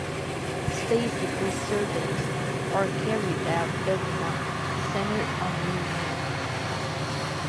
Space debris surveys are carried out every month, centered on New Moon.